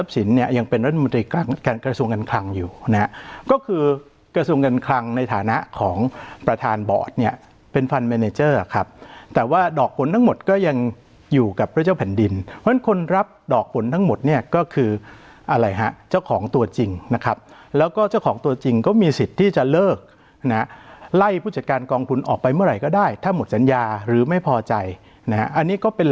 กระทรวงกันคลังอยู่นะฮะก็คือกระทรวงกันคลังในฐานะของประธานบอดเนี้ยเป็นฟันแมนเจอร์ครับแต่ว่าดอกผลทั้งหมดก็ยังอยู่กับพระเจ้าผันดินเพราะฉะนั้นคนรับดอกผลทั้งหมดเนี้ยก็คืออะไรฮะเจ้าของตัวจริงนะครับแล้วก็เจ้าของตัวจริงก็มีสิทธิ์ที่จะเลิกนะฮะไล่ผู้จัดการกองทุนออกไปเมื่